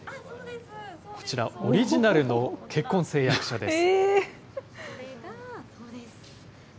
こちら、オリジナルの結婚誓約書です。